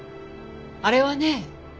あれはね